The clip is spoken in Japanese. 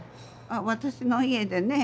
私の家でね